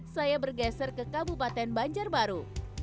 saya bergeser ke kabupaten banjarbaru